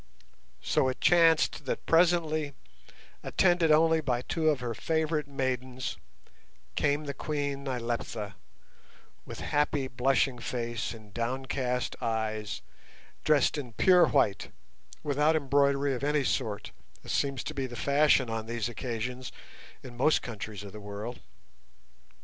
So it chanced that presently, attended only by two of her favourite maidens, came the Queen Nyleptha, with happy blushing face and downcast eyes, dressed in pure white, without embroidery of any sort, as seems to be the fashion on these occasions in most countries of the world.